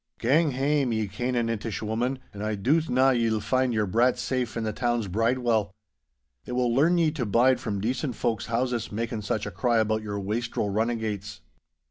Gang hame, ye Canaanitish woman, and I doot na ye'll find your brat safe in the town's bridewell. It will learn ye to bide from decent folk's houses, making such a cry about your wastrel runnagates.